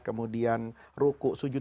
kemudian ruku sujud